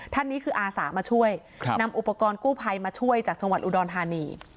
ท่านนี้คืออาสามาช่วยนำอุปกรณ์กู้ภัยมาช่วยจากจังหวัดอุดรธานี